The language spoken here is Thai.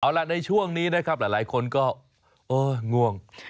เอาล่ะในช่วงนี้นะครับหลายคนก็เออง่วง